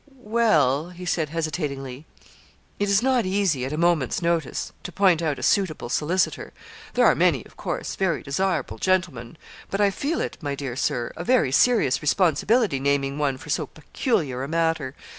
'Well,' he said hesitatingly, 'it is not easy, at a moment's notice, to point out a suitable solicitor; there are many, of course, very desirable gentlemen, but I feel it, my dear Sir, a very serious responsibility naming one for so peculiar a matter.